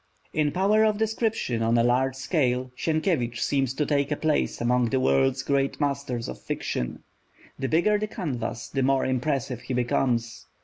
In power of description on a large scale, Sienkiewicz seems to take a place among the world's great masters of fiction. The bigger the canvas, the more impressive he becomes.